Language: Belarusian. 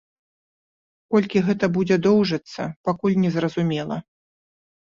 Колькі гэта будзе доўжыцца, пакуль незразумела.